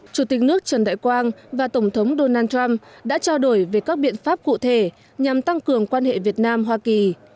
chủ tịch nước trần đại quang và tổng thống donald trump đã trao đổi về các biện pháp cụ thể nhằm tăng cường quan hệ việt nam hoa kỳ